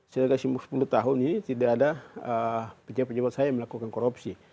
sudah sepuluh tahun ini tidak ada pejabat pejabat saya yang melakukan korupsi